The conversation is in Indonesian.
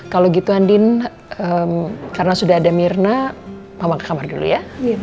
kalau gitu andin karena sudah ada mirna bawang ke kamar dulu ya